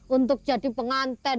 untuk jadi penganten